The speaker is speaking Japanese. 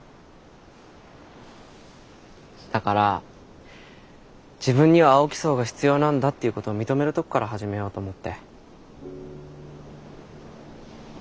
だから自分には青木荘が必要なんだっていうことを認めるとこから始めようと思って。